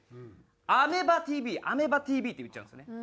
「アメバティーヴィーアメバティーヴィー」って言っちゃうんですよね。